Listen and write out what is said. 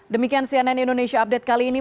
demikian cnn indonesia update kali ini